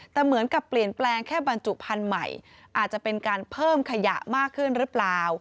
แต่เหมือนกับเปลี่ยนแปลงแค่บรรจุพันธุ์ใหม่อาจจะเป็นการเพิ่มขยะมากขึ้นหรือเปล่า